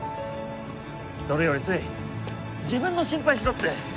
それより粋自分の心配しろって。